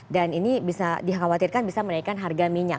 dan ini bisa dikhawatirkan bisa menaikkan harga minyak